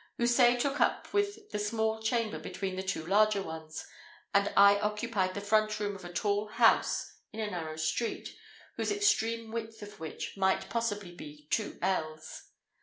Houssaye took up with the small chamber between the two larger ones, and I occupied the front room of a tall house in a narrow street, whose extreme width of which might possibly be two ells.